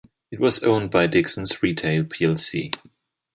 It was owned by Dixons Retail plc.